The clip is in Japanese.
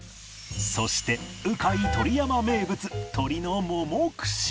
そしてうかい鳥山名物鶏のもも串